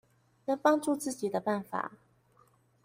能幫助自己的辦法